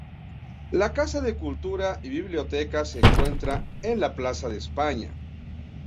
La casa de cultura y biblioteca se encuentra en la Plaza de España.